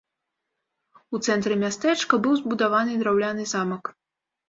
У цэнтры мястэчка быў збудаваны драўляны замак.